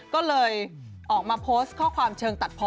ก็เลยออกมาโพสต์ข้อความเชิงตัดพอ